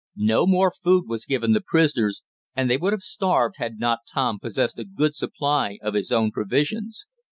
No more food was given the prisoners, and they would have starved had not Tom possessed a good supply of his own provisions.